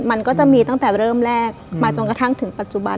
มันก็จะมีตั้งแต่เริ่มแรกมาจนกระทั่งถึงปัจจุบัน